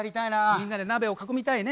みんなで鍋を囲みたいね。